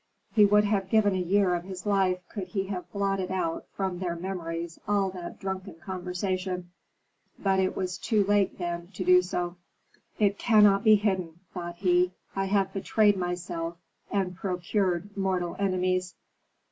He would have given a year of his life could he have blotted from their memories all that drunken conversation. But it was too late then to do so. "It cannot be hidden," thought he. "I have betrayed myself and procured mortal enemies.